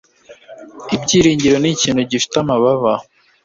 Ibyiringiro nikintu gifite amababa